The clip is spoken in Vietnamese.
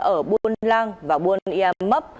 ở buôn lang và buôn ia mấp